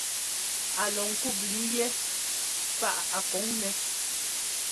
Á lɔ ŋkûp líi yɛ́ paʼa a kɔn nɛ́.